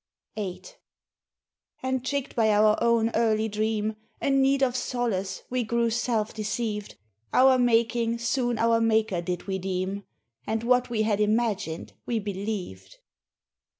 VIII "And, tricked by our own early dream And need of solace, we grew self deceived, Our making soon our maker did we deem, And what we had imagined we believed.